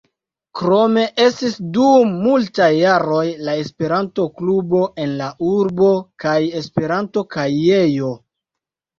Krome estis dum multaj jaroj la Esperanto-klubo en la urbo, kaj Esperanto-kajejo.